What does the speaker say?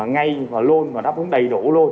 ngay và luôn và đáp ứng đầy đủ luôn